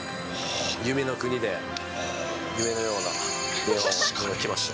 夢の国で夢のような電話を頂きました。